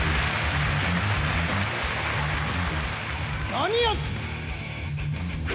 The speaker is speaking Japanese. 何やつ！